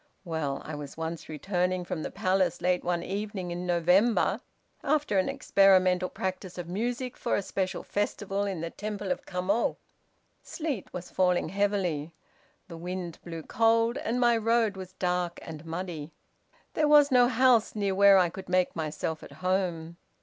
Well! I was once returning from the palace late one evening in November, after an experimental practice of music for a special festival in the Temple of Kamo. Sleet was falling heavily. The wind blew cold, and my road was dark and muddy. There was no house near where I could make myself at home.